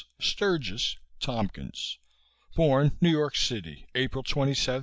(Sturgis) Tompkins. Born, New York City, April 27, 1898.